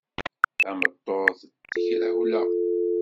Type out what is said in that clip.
Tameṭṭut d tagrawla.